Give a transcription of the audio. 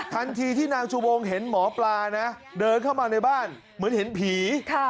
ทันทีที่นางชูวงเห็นหมอปลานะเดินเข้ามาในบ้านเหมือนเห็นผี